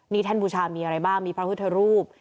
นี่ธันบูชามีอะไรบ้างมีภาพธุรูป